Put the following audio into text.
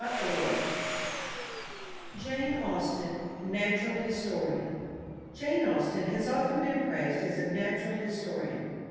II JANE AUSTEN: NATURAL HISTORIAN Jane Austen has often been praised as a natural historian.